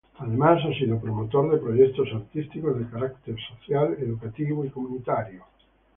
Además, ha sido promotor de proyectos artísticos de carácter social, educativo y comunitario.